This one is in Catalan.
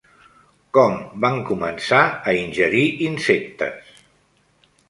Com van començar a ingerir insectes?